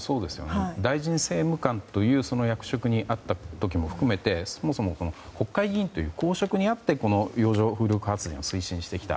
大臣政務官という役職にあった時も含めてそもそも国会議員という公職にあってこの洋上風力発電を推進してきた。